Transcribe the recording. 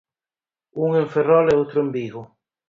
Un en Ferrol e outro en Vigo.